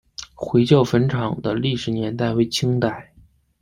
回教坟场的历史年代为清代。